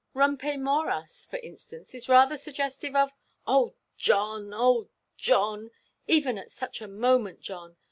'Rumpe moras,' for instance, is rather suggestive of——" "Oh, John! oh, John! even at such a moment, John!